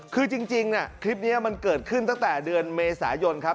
คือจริงคลิปนี้มันเกิดขึ้นตั้งแต่เดือนเมษายนครับ